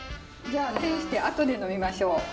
じゃあ栓して後で呑みましょう。